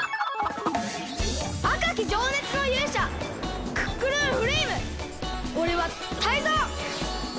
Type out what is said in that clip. あかきじょうねつのゆうしゃクックルンフレイムおれはタイゾウ！